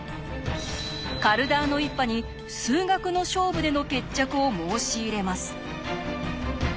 カルダーノ一派に数学の勝負での決着を申し入れます。